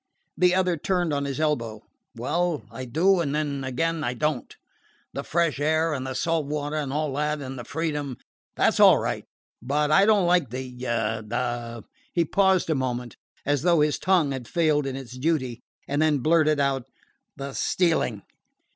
The other turned on his elbow. "Well I do, and then again I don't. The fresh air, and the salt water, and all that, and the freedom that 's all right; but I don't like the the " He paused a moment, as though his tongue had failed in its duty, and then blurted out: "the stealing."